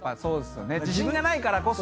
自信がないからこそ。